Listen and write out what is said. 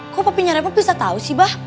kok papahnya repa bisa tau sih